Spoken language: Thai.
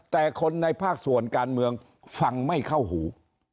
แต่คนในภาคส่วนการเมืองฟังไม่เข้าหู